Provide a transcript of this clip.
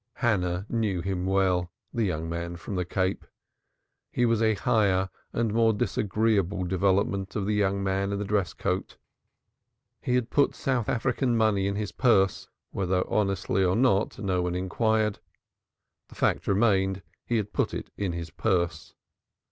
Hannah knew him well the young man from the Cape. He was a higher and more disagreeable development of the young man in the dress coat. He had put South African money in his purse whether honestly or not, no one inquired the fact remained he had put it in his purse.